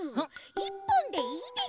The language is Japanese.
１ぽんでいいです。